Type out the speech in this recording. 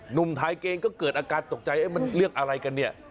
หนุ่มไทยเกงก็เกิดอาการตกใจ